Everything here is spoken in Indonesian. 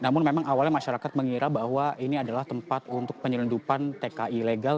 namun memang awalnya masyarakat mengira bahwa ini adalah tempat untuk penyelundupan tki legal